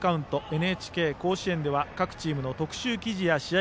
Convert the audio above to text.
「ＮＨＫ甲子園」では各チームの特集記事や試合